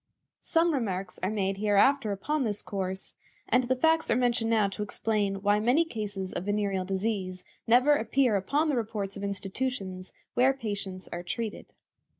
Some remarks are made hereafter upon this course, and the facts are mentioned now to explain why many cases of venereal disease never appear upon the reports of institutions where patients are treated.